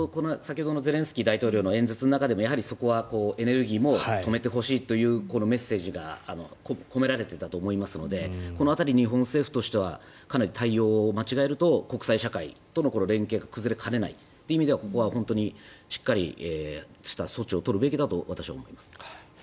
先ほどのゼレンスキー大統領の演説の中にもやはりそこはエネルギーも止めてほしいというメッセージが込められていたと思いますのでこの辺りは日本政府としても対応を間違えると国際社会との連携が崩れかねないそういう意味ではここは本当にしっかりとした措置を取るべきだと思います。